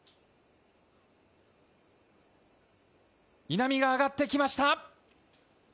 稲見が上がってきました。